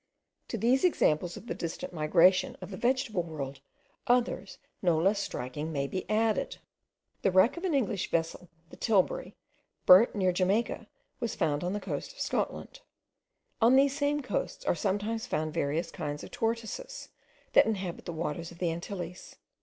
To these examples of the distant migration of the vegetable world, others no less striking may be added. The wreck of an English vessel, the Tilbury, burnt near Jamaica, was found on the coast of Scotland. On these same coasts are sometimes found various kinds of tortoises, that inhabit the waters of the Antilles.